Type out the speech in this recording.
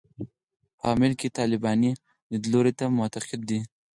په عمل کې طالباني لیدلوري ته معتقد دي.